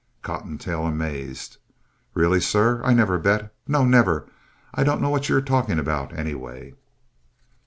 COTTONTAIL (amazed) Really, sir, I never bet. No, never. I don't know what you are talking about, anyway. DR.